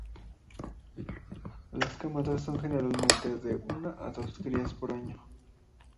Las camadas son generalmente de una a dos crías por año.